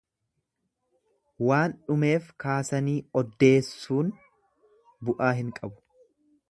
Waan dhumeef kaasanii oddessuun bu'aa hin qabu.